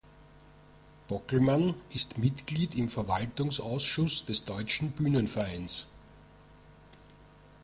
Bockelmann ist Mitglied im Verwaltungsausschuss des Deutschen Bühnenvereins.